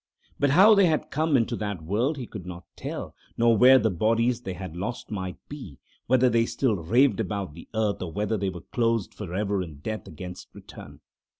But how they had come into that world he could not tell, nor where the bodies they had lost might be, whether they still raved about the earth, or whether they were closed forever in death against return.